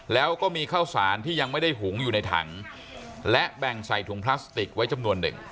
แล้วก็มีข้าวสารที่ยังไม่ได้หุงอยู่ในถังและแบ่งใส่ถุงพลาสติกไว้จำนวนหนึ่ง